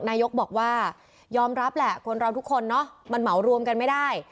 นายกบอกว่ายอมรับแหละคนเราทุกคนเนาะมันเหมารวมกันไม่ได้